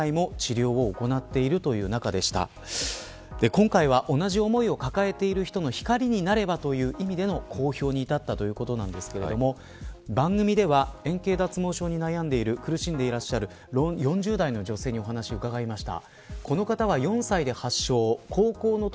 今回は同じ思いを抱えてる人の光になればという意味での公表に至ったということなんですけれども番組では円形脱毛症に苦しんでいらっしゃる４０代の女性にお話を伺いました。